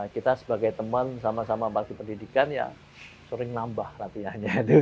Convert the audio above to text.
kita sebagai teman sama sama bagi pendidikan ya sering nambah latihannya